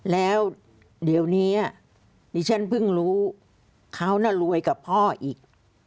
แล้วเดี๋ยวนี้ดิฉันเพิ่งรู้เขาน่ะรวยกับพ่ออีก